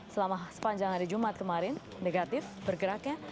selama sepanjang hari jumat kemarin negatif bergeraknya